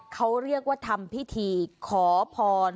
เขาเรียกว่าทำพิธีขอพร